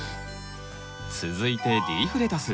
続いてリーフレタス。